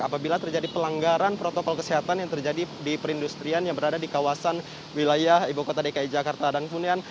apabila terjadi pelanggaran protokol kesehatan yang terjadi di perindustrian yang berada di kawasan wilayah ibu kota dki jakarta